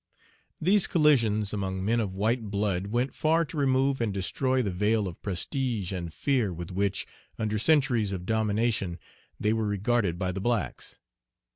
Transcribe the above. These collisions among men of white blood went far to remove and destroy the veil of prestige and fear with which, under centuries of domination, they were regarded by the blacks.